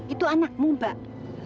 itu anakmu mbak